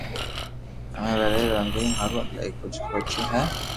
امي پري زبين ھارون ايلايو ڪجھ سوچيو ھي